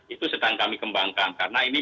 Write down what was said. itu sedang kami kembangkan karena ini